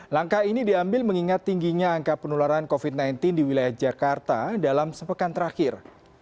langkah ini diambil mengingat tingginya angka penularan covid sembilan belas di wilayah jakarta dalam sepekan terakhir